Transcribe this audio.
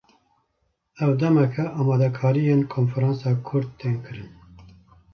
Ev demeke, amadekariyên konferansa Kurd tên kirin